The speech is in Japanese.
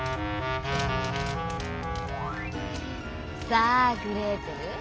「さあグレーテル。